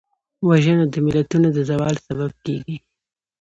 وژنه د ملتونو د زوال سبب کېږي